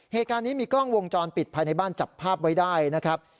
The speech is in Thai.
เหตุการณ์นี้มีกล้องวงจรปิดภายในบ้านจับภาพไว้ได้นะครับ